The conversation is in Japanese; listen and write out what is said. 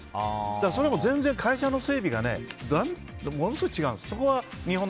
それも全然、会社の整備がものすごい違うんです。